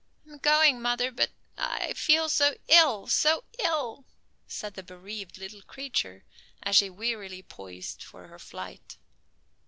"I am going, mother, but oh, I feel so ill, so ill!" said the bereaved little creature as she wearily poised for her flight.